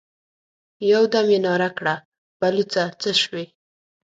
يودم يې ناره کړه: بلوڅه! څه شوې؟